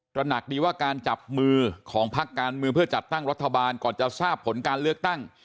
ระหนักดีว่าการจับมือของพักการเมืองเพื่อจัดตั้งรัฐบาลก่อนจะทราบผลการเลือกตั้ง